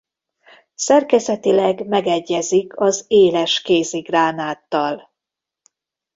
Szerkezetileg megegyezik az éles kézigránáttal.